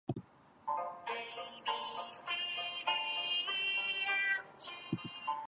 A large variety of subpixel interpolation methods are given in the technical literature.